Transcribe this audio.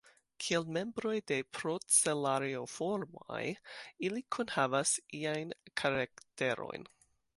Kiel membroj de Procelarioformaj, ili kunhavas iajn karakterojn.